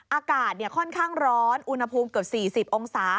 อากาศค่อนข้างร้อนอุณหภูมิเกือบ๔๐องศา